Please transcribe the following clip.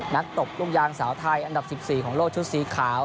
ตบลูกยางสาวไทยอันดับ๑๔ของโลกชุดสีขาว